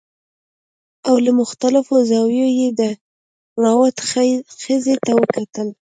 او له مختلفو زاویو یې د روات ښځې ته وکتل